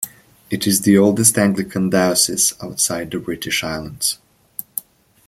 It is the oldest Anglican diocese outside the British Islands.